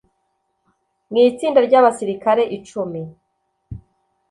Mu itsinda ry'abasirikare icumi